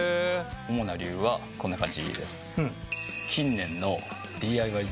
主な理由はこんな感じです。